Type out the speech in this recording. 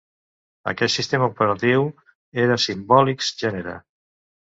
Aquest sistema operatiu era Symbolics Genera.